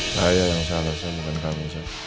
saya yang salah saya bukan kamu